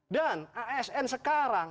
dan asn sekarang